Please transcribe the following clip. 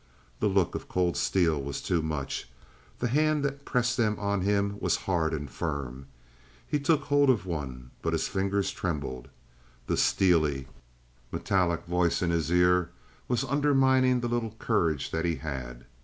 The look of cold steel was too much. The hand that pressed them on him was hard and firm. He took hold of one, but his fingers trembled. The steely, metallic voice in his ear was undermining the little courage that he had.